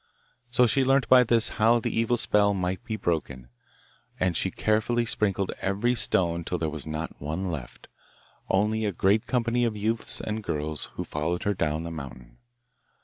So she learnt by this how the evil spell might be broken, and she carefully sprinkled every stone till there was not one left only a great company of youths and girls who followed her down the mountain.